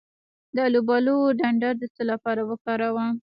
د الوبالو ډنډر د څه لپاره وکاروم؟